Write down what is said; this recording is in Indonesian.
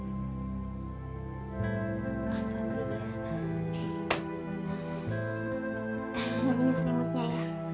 ambil ini siap